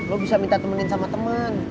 lo bisa minta temenin sama teman